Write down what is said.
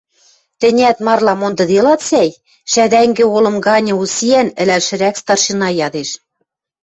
Тӹнят марла мондыделат сӓй? — шӓдӓнгӹ олым ганьы усиӓн, ӹлӓлшӹрӓк старшина ядеш.